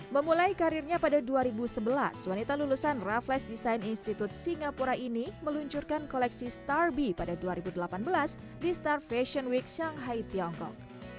memulai karirnya pada dua ribu sebelas wanita lulusan raffles design institute singapura ini meluncurkan koleksi starbi pada dua ribu delapan belas di star fashion week shanghai tiongkok